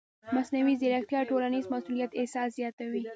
مصنوعي ځیرکتیا د ټولنیز مسؤلیت احساس زیاتوي.